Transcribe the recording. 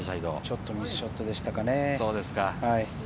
ちょっとミスショットでしたかね。